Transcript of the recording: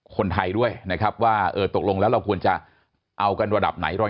คนไทยด้วยนะครับว่าเออตกลงแล้วเราควรจะเอากันระดับไหนรอย